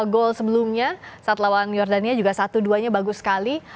gol sebelumnya saat lawan jordania juga satu dua nya bagus sekali